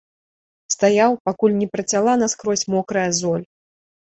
Стаяў, пакуль не працяла наскрозь мокрая золь.